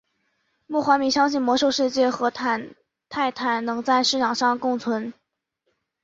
莫怀米相信魔兽世界和泰坦能在市场上共存。